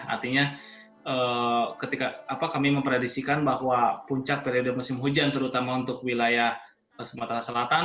artinya ketika kami memprediksikan bahwa puncak periode musim hujan terutama untuk wilayah sumatera selatan